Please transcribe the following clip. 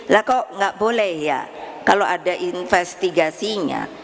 lah kok nggak boleh ya kalau ada investigasinya